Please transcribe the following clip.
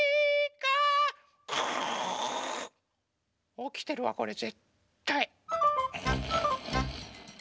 おきてるわこれぜったい。